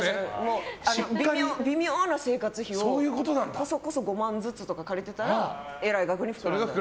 微妙な生活費をこそこそ５万ずつとか借りてたら、えらい額に膨らんだ。